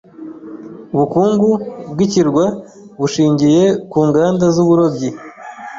Ubukungu bwikirwa bushingiye ku nganda zuburobyi.